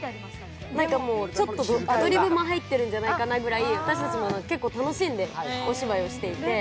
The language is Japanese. なんかアドリブも入っているんじゃないかなというくらい私たちも結構楽しんでお芝居をしていて。